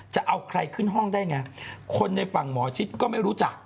จะเอาใครขึ้นห้องได้ไงคนในฝั่งหมอชิดก็ไม่รู้จัก